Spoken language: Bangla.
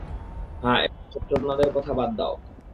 হ্যাঁ, এসব চোদনাদের কথা বাদ দাও।